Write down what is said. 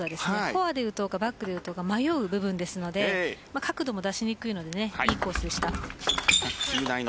フォアで打とうかバックで打とうか迷う部分なので角度も出しにくいいいコースでした。